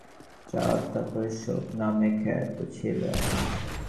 ভ্রাতৃহত্যা প্রভৃতি নৃশংস কার্যের দ্বারা সিংহাসন লাভ করাতে ইনিপূর্বে চণ্ডাশোক নামে খ্যাত ছিলেন।